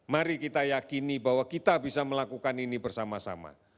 mari kita yakini bahwa kita bisa melakukan ini bersama sama